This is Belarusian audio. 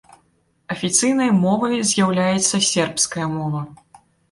Афіцыйнай мовай з'яўляецца сербская мова.